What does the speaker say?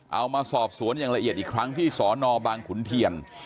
เอามาสอบสวนอย่างละเอียดอีกครั้งที่สนบางขุนเทียน